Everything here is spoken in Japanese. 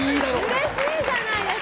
うれしいじゃないですか。